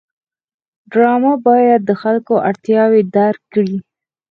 ډرامه باید د خلکو اړتیاوې درک کړي